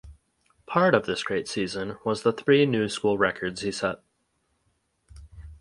Part of this great season was the three new school records he set.